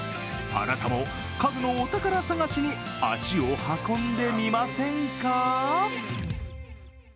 あなたも家具のお宝探しに足を運んでみませんか？